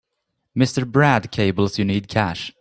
Mr. Brad cables you need cash.